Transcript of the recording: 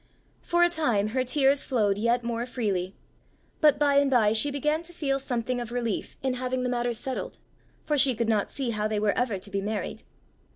For a time her tears flowed yet more freely, but by and by she began to feel something of relief in having the matter settled, for she could not see how they were ever to be married.